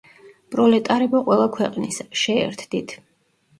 პროლეტარებო ყველა ქვეყნისა, შეერთდით!